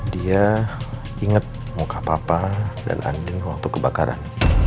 dia inget muka papa dan adil waktu kebakaran